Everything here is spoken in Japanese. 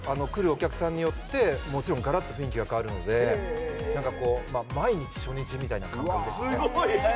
お客さんによってもちろんガラッと雰囲気が変わるので何かこう毎日初日みたいな感覚ですよね・